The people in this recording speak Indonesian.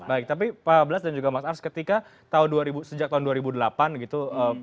baik tapi pak blas dan juga mas ars ketika sejak tahun dua ribu delapan gitu